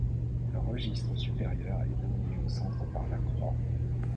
Le registre supérieur est dominé au centre par la croix.